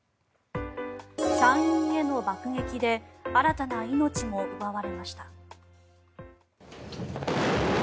産院への爆撃で新たな命も奪われました。